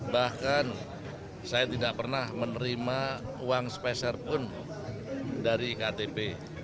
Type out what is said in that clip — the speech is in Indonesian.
bahkan saya tidak pernah menerima uang spesial pun dari iktp